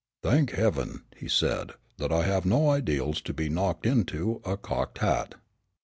"Thank heaven," he said, "that I have no ideals to be knocked into a cocked hat.